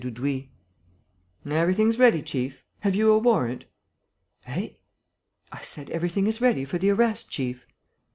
Dudouis. "Everything's ready, chief. Have you a warrant?" "Eh?" "I said, everything is ready for the arrest, chief."